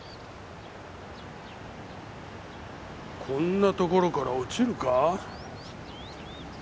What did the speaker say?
こんなところから落ちるか？